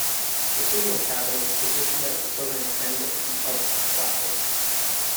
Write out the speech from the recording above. The signal cabin was positioned at the southern end of the "up" platform.